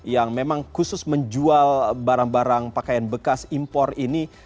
yang memang khusus menjual barang barang pakaian bekas impor ini